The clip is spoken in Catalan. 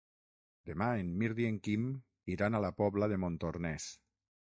Demà en Mirt i en Quim iran a la Pobla de Montornès.